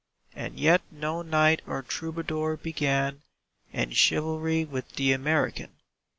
And yet no knight or Troubadour began In chivalry with the American.